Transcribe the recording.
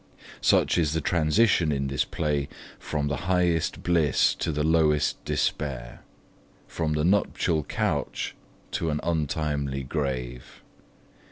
Such is the transition in this play from the highest bliss to the lowest despair, from the nuptial couch to an untimely grave.